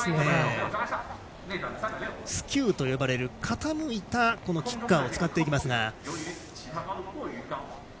スキューと呼ばれる傾いたキッカーを使っていきます。